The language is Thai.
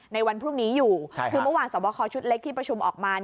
ในวันพรุ่งนี้อยู่คือเมื่อวานสวบคอชุดเล็กที่ประชุมออกมา